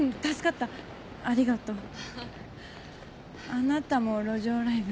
あなたも路上ライブ？